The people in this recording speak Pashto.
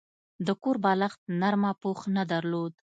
د کور بالښت نرمه پوښ نه درلوده.